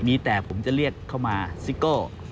มีแต่ผมจะเรียกเข้ามาซิโก้